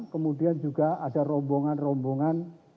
kemudian juga ada rombongan rombongan